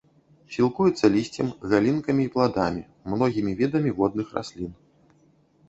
Сілкуецца лісцем, галінкамі і пладамі, многімі відамі водных раслін.